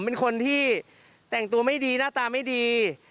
เป็นคนที่แต่งตัวไม่ดีหน้าตาไม่ดี